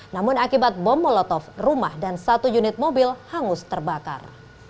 namun akibat bom molotov rumah dan satu unit mobil hangus terbakar